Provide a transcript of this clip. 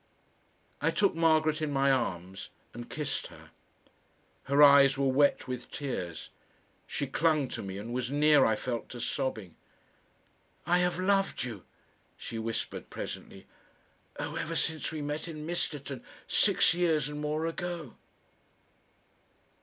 I took Margaret in my arms and kissed her. Her eyes were wet with tears. She clung to me and was near, I felt, to sobbing. "I have loved you," she whispered presently, "Oh! ever since we met in Misterton six years and more ago."